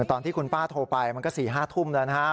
ตอนที่คุณป้าโทรไปมันก็๔๕ทุ่มแล้วนะครับ